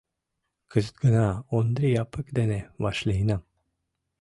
Кызыт гына Ондри Япык дене вашлийынам.